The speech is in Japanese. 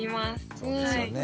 そうですよね。